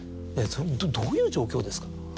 それどういう状況ですか？